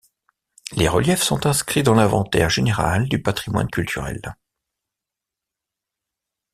Les reliefs sont inscrits dans l'inventaire général du patrimoine culturel.